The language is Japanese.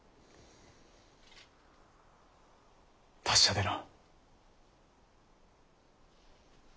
達者でな。